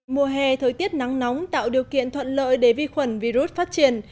mùa hè thời tiết nắng nóng tạo điều kiện thuận lợi để vi khuẩn virus phát triển